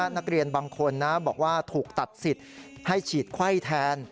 นักเรียนบางคนบอกว่าถูกตัดสิทธิ์ให้ฉีดไข้แทน